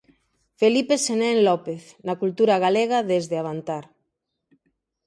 Felipe Senén López, na cultura galega desde Avantar.